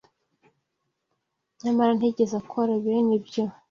Nyamara ntiyigeze akora bene ibyo